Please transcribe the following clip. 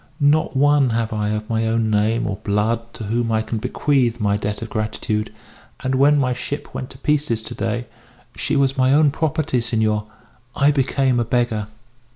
Not one have I of my own name or blood to whom I can bequeath my debt of gratitude; and when my ship went to pieces to day (she was my own property, senor), I became a beggar.